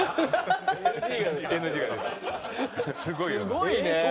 すごいね。